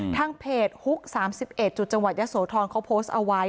ทางเพจฮุก๓๑จุดจังหวัดยะโสธรเขาโพสต์เอาไว้